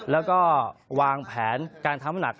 แล้วก็วางแผนการทำน้ำหนัก